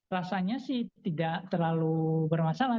rasanya sih tidak terlalu bermasalah